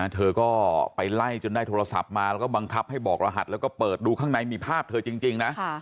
เธอก็ไปไล่จนได้โทรศัพท์มาแล้วก็บังคับให้บอกรหัสแล้วก็เปิดดูข้างในมีภาพเธอจริงนะ